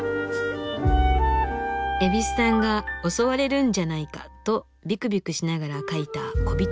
蛭子さんが「襲われるんじゃないか」とビクビクしながら描いたコビトカバ。